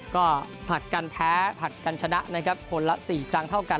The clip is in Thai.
ก็ผัดกันแพ้ผลัดกันชนะนะครับคนละ๔ครั้งเท่ากัน